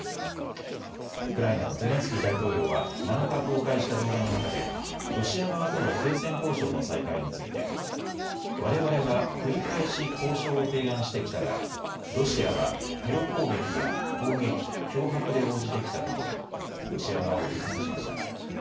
ウクライナのゼレンスキー大統領は７日、公開した動画の中でロシア側との停戦交渉の再開についてわれわれは繰り返し交渉を提案してきたがロシアはテロ攻撃や砲撃、脅迫で応じてきたと述べロシア側を批判しました。